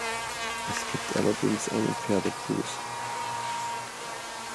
Es gibt allerdings einen Pferdefuß.